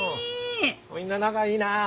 みんな仲いいな。